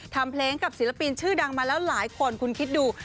ทำเพลงกับศิลปินชื่อดังมาแล้วหลายคนคุณคิดดู